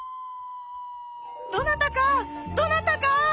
どなたかどなたか！